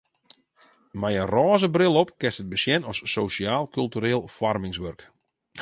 Mei in rôze bril op kinst it besjen as sosjaal-kultureel foarmingswurk.